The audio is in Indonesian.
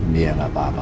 dia gak apa apa